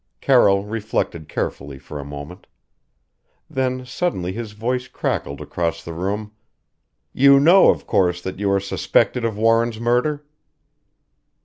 Carroll reflected carefully for a moment. Then suddenly his voice crackled across the room "You know, of course, that you are suspected of Warren's murder?"